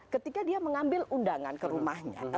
ketika dia mengambil undangan ke rumahnya